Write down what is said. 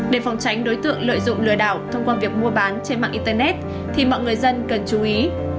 để phòng tránh đối tượng lợi dụng lừa đảo thông qua việc mua bán trên mạng internet thì mọi người dân cần chú ý